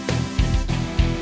saya yang menang